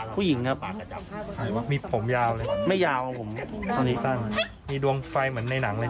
ผู้หญิงครับมีผมยาวเลยไม่ยาวครับผมตอนนี้สั้นมีดวงไฟเหมือนในหนังเลย